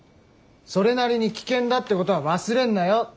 それなりに危険だってことは忘れんなよ。